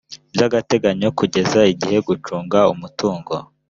by agateganyo kugeza igihe gucunga umutungo